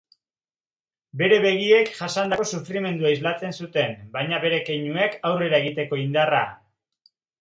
Bere begiek jasandako sufrimendua islatzen zuten baina bere keinuek aurrera egiteko indarra.